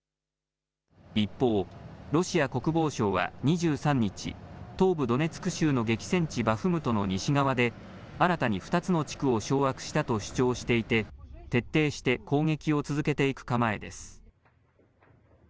一方、ロシア国防省は２３日、東部ドネツク州の激戦地バフムトの西側で、新たに２つの地区を掌握したと主張していて、徹底して攻撃を続けていく構えです。